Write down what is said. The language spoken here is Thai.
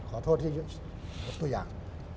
ขอโทษที่ยกตัวอย่าง